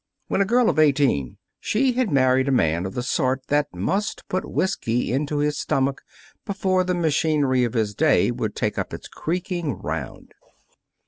When a girl of eighteen she had married a man of the sort that must put whisky into his stomach before the machinery of his day would take up its creaking round.